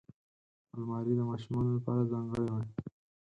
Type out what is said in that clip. الماري د ماشومانو لپاره ځانګړې وي